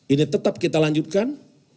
ini tetap kita lanjutkan